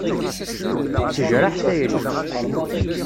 Tettejraḥ tayri.